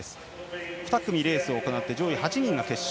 ２組レースを行って上位８人が決勝。